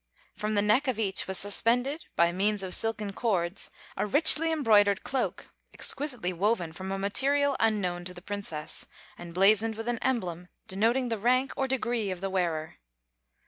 From the neck of each was suspended, by means of silken cords, a richly embroidered cloak, exquisitely woven from a material unknown to the Princess, and blazoned with an emblem denoting the rank or degree of the wearer.